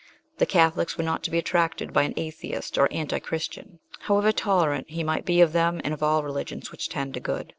The Catholics were not to be attracted by an Atheist or Antichristian, however tolerant he might be of them, and of all religions which tend to good.